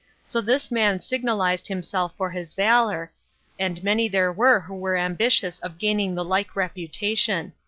So this man signalized himself for his valor, and many there were who were ambitious of gaining the like reputation.